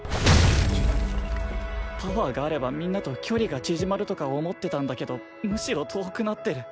パワーがあればみんなと距離が縮まるとか思ってたんだけどむしろ遠くなってる。